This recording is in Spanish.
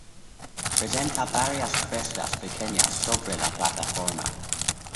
Presenta varias crestas pequeñas sobre la plataforma.